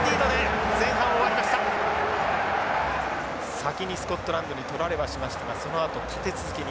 先にスコットランドに取られはしましたがそのあと立て続けに。